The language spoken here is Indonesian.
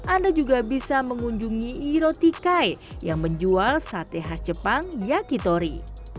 anda juga bisa mengunjungi iro tikai yang menjual sate khas jepang yakitori